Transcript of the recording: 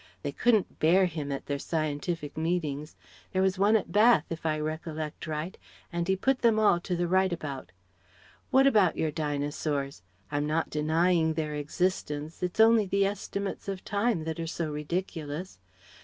They couldn't bear him at their Scientific meetings there was one at Bath, if I recollect right, and he put them all to the right about. What about your Dinosaurs? I'm not denying their existence; it's only the estimates of time that are so ridiculous.